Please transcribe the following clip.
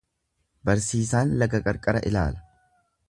Barsiisaan laga qarqara ilaala.